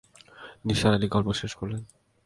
নিসার আলি গল্প শেষ করলেন।